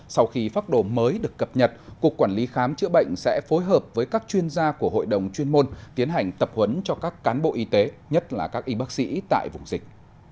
sau khi phác đồ mới được cập nhật cục quản lý khám chữa bệnh sẽ phối hợp với các chuyên gia của hội đồng chuyên môn tiến hành tập huấn cho các cán bộ y tế nhất là các y bác sĩ tại vùng dịch